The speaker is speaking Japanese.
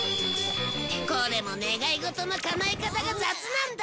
これも願い事のかなえ方が雑なんだ